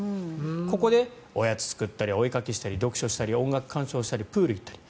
ここでおやつを作ったりお絵描きをしたり読書したり音楽鑑賞したりプール行ったり。